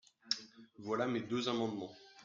Voilà mes deux amendements.